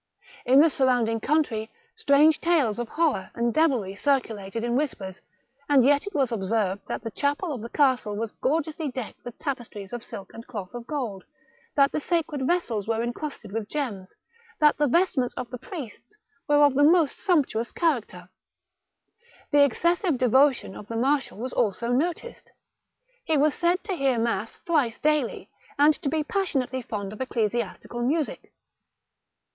In the surrounding country strange tales of horror and devilry circulated in whispers, and yet it was observed that the chapel of the castle was gorgeously decked with tapestries of silk and cloth of gold, that the sacred vessels were encrusted with gems, THE MARiCHAL DE RETZ. 187 and that thg vestments of the priests were of the most sumptuous character. The excessive devotion of the marshal was also noticed; he was said to hear mass thrice daily, and to be passionately fond of ecclesiastical music.